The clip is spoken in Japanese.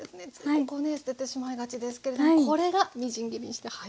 ここね捨ててしまいがちですけれどこれがみじん切りにして入っているわけですね。